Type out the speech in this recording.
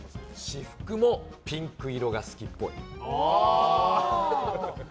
私服もピンク色が好きっぽい。